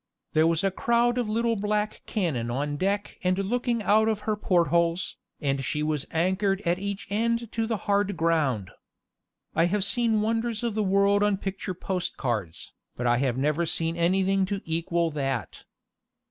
There was a crowd of little black cannon on deck and looking out of her port holes, and she was anchored at each end to the hard ground. I have seen the wonders of the world on picture postcards, but I have never seen anything to equal that.